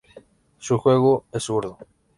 Su juego es zurdo.